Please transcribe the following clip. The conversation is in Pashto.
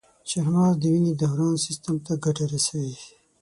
چارمغز د وینې دوران سیستم ته ګټه رسوي.